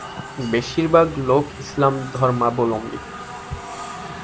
বেশির ভাগ লোক ইসলাম ধর্মাবলম্বী।